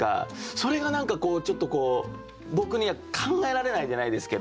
それが何かこうちょっとこう僕には考えられないじゃないですけど。